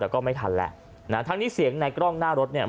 แล้วก็ไม่ทันแล้วนะฮะทั้งนี้เสียงในกล้องหน้ารถเนี่ย